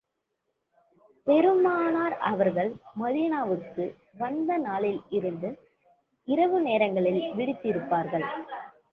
பெருமானார் அவர்கள் மதீனாவுக்கு வந்த நாளிலிருந்து, இரவு நேரங்களில் விழித்திருப்பார்கள்.